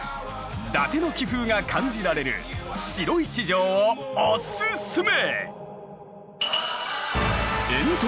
伊達の気風が感じられる白石城をおすすめ！